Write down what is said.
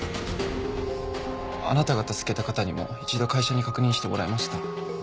あなたが助けた方にも一度会社に確認してもらいました。